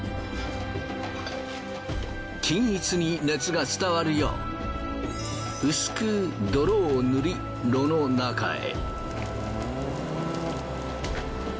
均一に熱が伝わるよう薄く泥を塗り炉の中へ。